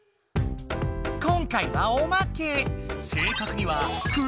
今回はおまけ！